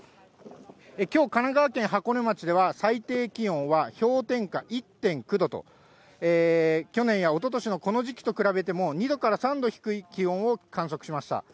きょう、神奈川県箱根町では、最低気温は氷点下１．９度と、去年やおととしのこの時期と比べても、２度から３度低い気温を観測しました。